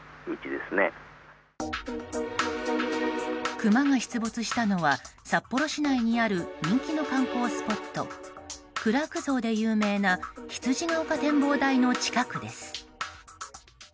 クマが出没したのは札幌市内にある人気の観光スポットクラーク像で有名な羊ヶ丘展望台の近くです。